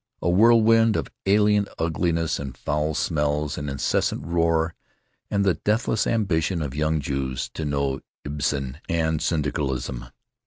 A whirlwind of alien ugliness and foul smells and incessant roar and the deathless ambition of young Jews to know Ibsen and syndicalism.